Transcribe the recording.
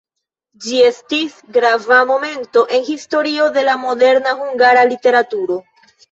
Ĝi estis grava momento en historio de la moderna hungara literaturo.